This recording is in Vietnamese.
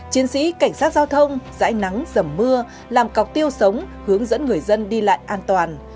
chiến sĩ cảnh sát giao thông dãi nắng dầm mưa làm cọc tiêu sống hướng dẫn người dân đi lại an toàn